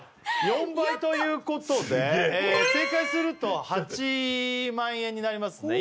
４倍ということですげえ正解すると８万円になりますね